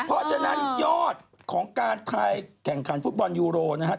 เพราะฉะนั้นยอดของการไทยแข่งขันฟุตบอลยูโรนะครับ